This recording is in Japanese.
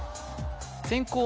先攻